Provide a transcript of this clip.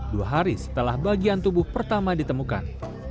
dua hari setelah bagian tubuh pertama ditemukan